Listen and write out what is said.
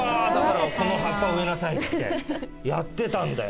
この葉っぱを植えなさいっつってやってたんだよ